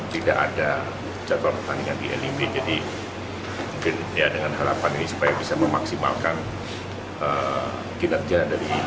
tidak ada jadwal pertandingan di lib jadi mungkin ya dengan harapan ini supaya bisa memaksimalkan kinerja dari